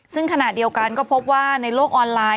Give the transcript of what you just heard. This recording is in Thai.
ซึ่งขณะเดียวกันก็พบว่าในโลกออนไลน์